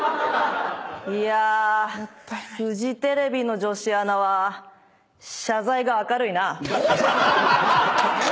いやフジテレビの女子アナは謝罪が明るいな。